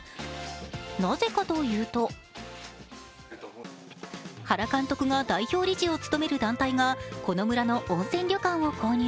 なぜかというと原監督が代表理事を務める団体がこの村の温泉旅館を購入。